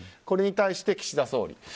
これに対して岸田総理。